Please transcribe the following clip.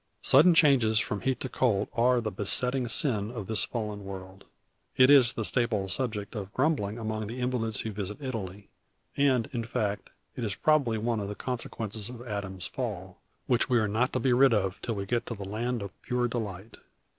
Sudden changes from heat to cold are the besetting sin of this fallen world. It is the staple subject for grumbling among the invalids who visit Italy; and, in fact, it is probably one of the consequences of Adam's fall, which we are not to be rid of till we get to the land of pure delight.